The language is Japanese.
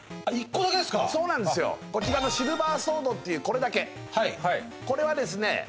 １個だけですかそうなんですよこちらのシルバーソードっていうこれだけこれはですね